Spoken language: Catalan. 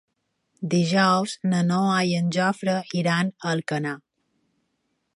Dijous na Noa i en Jofre iran a Alcanar.